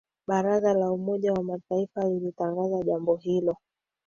Baraza la Umoja wa Mataifa lilitangaza jambo hilo